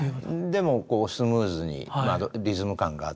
でもスムーズにリズム感があって。